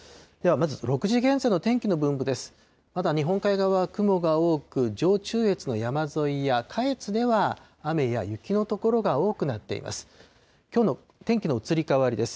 まだ日本海側は雲が多く、上中越の山沿いや下越では、雨や雪の所が多くなっています。